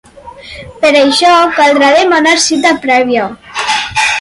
Per això, caldrà demanar cita prèvia.